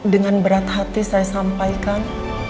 dengan berat hati saya sampaikan